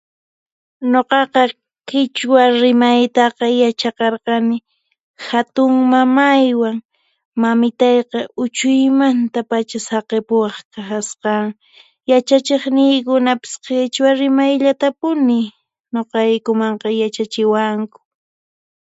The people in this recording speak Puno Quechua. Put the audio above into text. nuqaqa qhichua rimaytaqa yachaqarqani hathunm mamaywan, mamitayqa uchuymanta uchuymantapacha saqepuwak kahasqa yachachiknikunapis qhechua rimayllatapuni nuqaykumanqa yachachiwanku